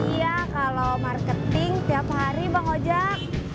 iya kalau marketing tiap hari bang ojek